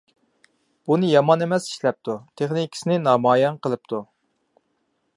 بۇنى يامان ئەمەس ئىشلەپتۇ، تېخنىكىسىنى نامايان قىلىپتۇ.